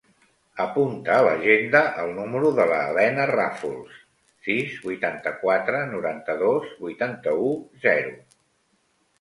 Apunta a l'agenda el número de la Helena Rafols: sis, vuitanta-quatre, noranta-dos, vuitanta-u, zero.